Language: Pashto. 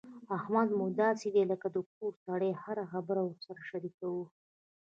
احمد مو داسې دی لکه د کور سړی هره خبره ورسره شریکوو.